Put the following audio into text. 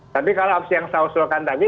tapi kalau opsi yang saya usulkan tadi